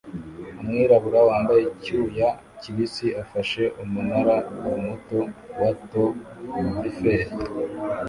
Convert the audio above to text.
Umwirabura wambaye icyuya kibisi afashe umunara muto wa To eferi